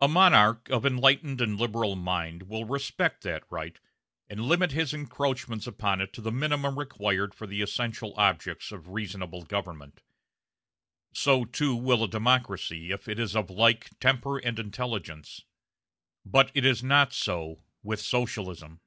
A monarch of enlightened and liberal mind will respect that right, and limit his encroachments upon it to the minimum required for the essential objects of reasonable government; so, too, will a democracy if it is of like temper and intelligence. But it is not so with Socialism.